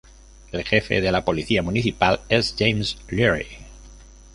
El Jefe de la Policía Municipal es James Leary.